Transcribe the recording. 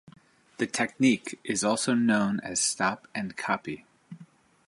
The technique is also known as stop-and-copy.